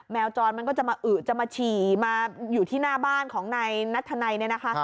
จรมันก็จะมาอึ๋จะมาฉี่มาอยู่ที่หน้าบ้านของนายนัทธนัยเนี่ยนะคะ